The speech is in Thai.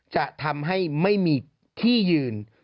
จะทำให้ไม่มีที่ยืนวงเล็บในแชท